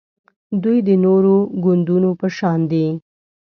دوی د نورو ګوندونو په شان دي